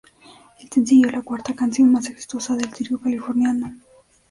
El sencillo es la cuarta canción más exitosa del trío californiano.